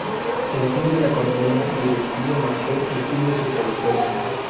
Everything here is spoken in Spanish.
El fin de la contienda y el exilio marcó el fin de su trayectoria.